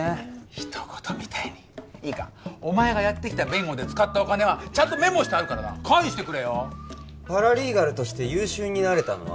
ひと事みたいにいいかお前がやってきた弁護で使ったお金はちゃんとメモしてあるからな返してくれよパラリーガルとして優秀になれたのは？